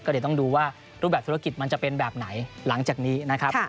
เดี๋ยวต้องดูว่ารูปแบบธุรกิจมันจะเป็นแบบไหนหลังจากนี้นะครับ